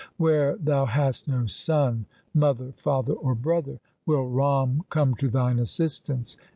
Where thou hast no son, mother, father, or brother, will Ram come to thine assistance